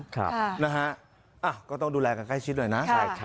ครับนะฮะก็ต้องดูแลกันใกล้ชิดหน่อยนะ